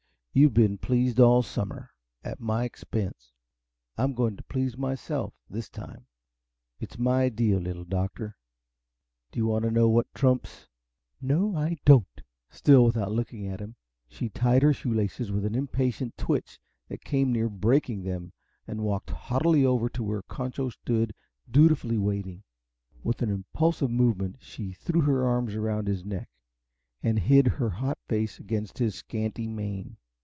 You've been pleased all summer at my expense. I'm going to please myself, this time. It's my deal, Little Doctor. Do you want to know what's trumps?" "No, I don't!" Still without looking at him, she tied her shoelaces with an impatient twitch that came near breaking them, and walked haughtily to where Concho stood dutifully waiting. With an impulsive movement, she threw her arms around his neck, and hid her hot face against his scanty mane.